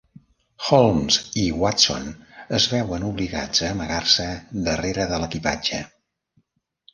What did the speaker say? Holmes i Watson es veuen obligats a amagar-se darrere de l'equipatge.